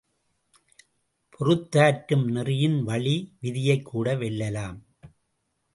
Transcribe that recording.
பொறுத்தாற்றும் நெறியின் வழி, விதியைக் கூட வெல்லலாம்.